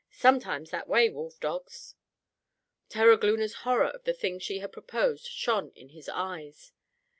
Sometimes that way, wolfdogs." Terogloona's horror of the thing she had proposed, shone in his eyes.